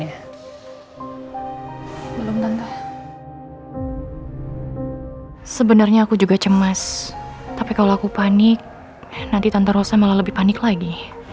sebenarnya aku juga cemas tapi kalau aku panik nanti tante rosa malah lebih panik lagi